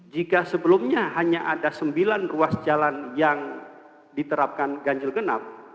jika sebelumnya hanya ada sembilan ruas jalan yang diterapkan ganjil genap